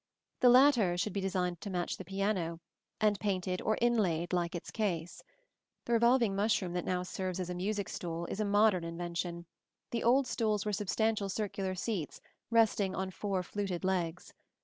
The latter should be designed to match the piano, and painted or inlaid like its case. The revolving mushroom that now serves as a music stool is a modern invention: the old stools were substantial circular seats resting on four fluted legs.